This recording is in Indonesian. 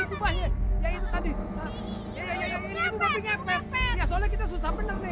itu tadi ya soalnya kita susah bener nih